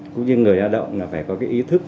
cũng như người lao động phải có ý thức